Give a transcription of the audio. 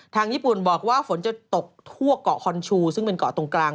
ญี่ปุ่นบอกว่าฝนจะตกทั่วเกาะฮอนชูซึ่งเป็นเกาะตรงกลาง